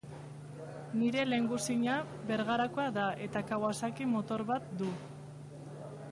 Nire lehengusina Bergarakoa da eta Kawasaki motor bat du.